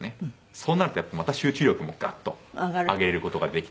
そうなるとやっぱりまた集中力もガッと上げる事ができて。